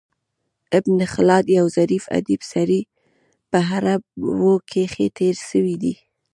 ابن خلاد یو ظریف ادیب سړی په عربو کښي تېر سوى دﺉ.